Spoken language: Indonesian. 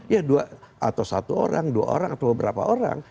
ya dua atau satu orang dua orang atau beberapa orang